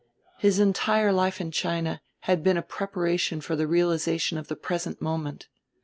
His entire life in China had been a preparation for the realization of the present moment.